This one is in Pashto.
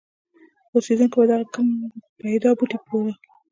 اوسېدونکو به دغه کم پیدا بوټي پلورل.